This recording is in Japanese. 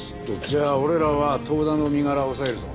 じゃあ俺らは遠田の身柄を押さえるぞ。